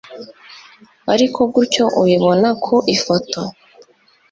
ariko gutyo ubibona ku ifoto